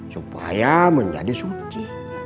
supaya menjadi suci